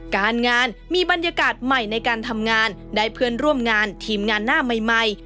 การงานมีบรรยากาศใหม่ในการทำงานได้เพื่อนร่วมงานทีมงานหน้าใหม่